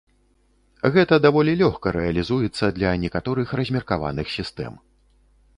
Гэта даволі лёгка рэалізуецца для некаторых размеркаваных сістэм.